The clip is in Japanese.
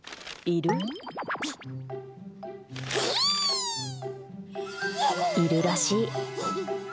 いるらしい。